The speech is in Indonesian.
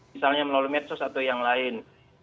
misalnya melalui medsos atau yang lain